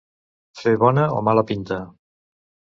Fer bona o mala pinta.